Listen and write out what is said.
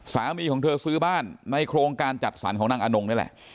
สามีของเธอซื้อบ้านในโครงการจัดสรรของนางอนงนี่แหละ